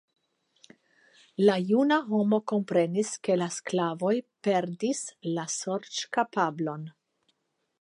La juna homo komprenis, ke la sklavoj perdis la sorĉkapablon.